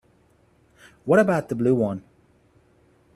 What about the blue one?